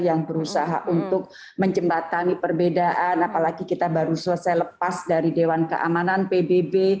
yang berusaha untuk menjembatani perbedaan apalagi kita baru selesai lepas dari dewan keamanan pbb